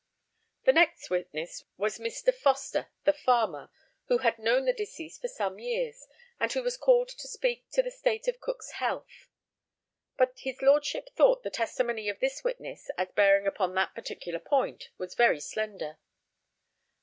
The next witness was Mr. Foster, the farmer, who had known the deceased for some years, and who was called to speak to the state of Cook's health; but his lordship thought the testimony of this witness, as bearing upon that particular point, was very slender.